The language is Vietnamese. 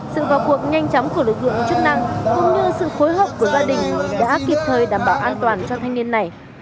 sự vào cuộc nhanh chóng của lực lượng chức năng cũng như sự phối hợp của gia đình đã kịp thời đảm bảo an toàn cho thanh niên này